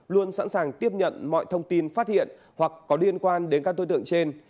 luôn sẵn sàng tiếp nhận mọi thông tin phát hiện hoặc có liên quan đến các đối tượng trên